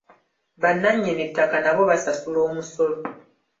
Bannannyini ttaka nabo basasula omusolo.